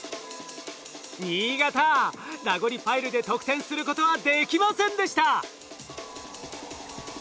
新潟ラゴリパイルで得点することはできませんでした。